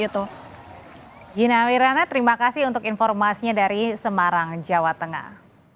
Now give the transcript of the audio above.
gina wirana terima kasih untuk informasinya dari semarang jawa tengah